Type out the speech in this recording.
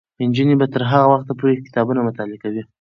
نجونې به تر هغه وخته پورې کتابونه مطالعه کوي.